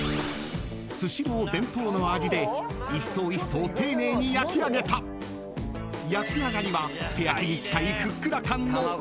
［スシロー伝統の味で一層一層丁寧に焼き上げた焼き上がりは手焼きに近いふっくら感の］